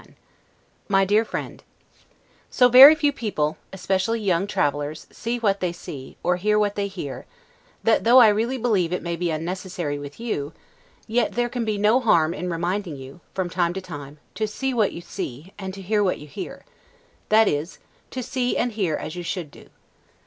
S. 1751 MY DEAR FRIEND: So very few people, especially young travelers, see what they see, or hear what they hear, that though I really believe it may be unnecessary with you, yet there can be no harm in reminding you, from time to time, to see what you see, and to hear what you hear; that is, to see and hear as you should do.